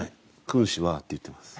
「君子は」って言ってます。